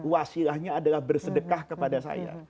wasilahnya adalah bersedekah kepada saya